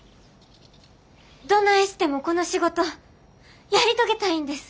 どないしてもこの仕事やり遂げたいんです。